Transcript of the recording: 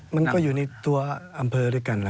มันก็อยู่ในตัวอำเภอด้วยกัน